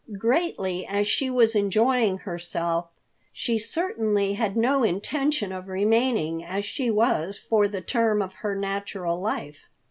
Greatly as she was enjoying herself, she certainly had no intention of remaining as she was for the term of her natural life.